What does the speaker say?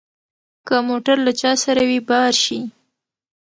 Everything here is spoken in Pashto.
که موټر له چا سره وي بار شي.